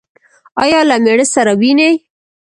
ایا له میړه سره وینئ؟